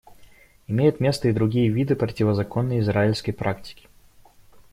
Имеют место и другие виды противозаконной израильской практики.